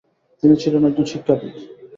তিনি ছিলেন একজন শিক্ষাবিদ।